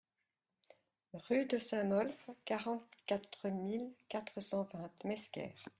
Rue de Saint-Molf, quarante-quatre mille quatre cent vingt Mesquer